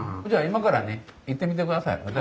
じゃあ今からね行ってみてください。